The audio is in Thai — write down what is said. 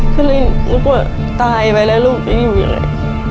ก็เลยนึกว่าตายไปแล้วลูกจะอยู่ยังไง